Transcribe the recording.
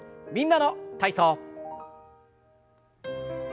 「みんなの体操」。